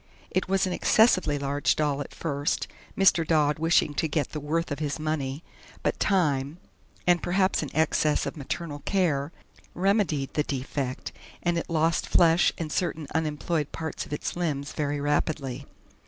It was an excessively large doll at first Mr. Dodd wishing to get the worth of his money but time, and perhaps an excess of maternal care, remedied the defect, and it lost flesh and certain unemployed parts of its limbs very rapidly.